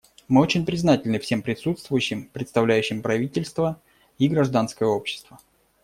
Мы очень признательны всем присутствующим, представляющим правительства и гражданское общество.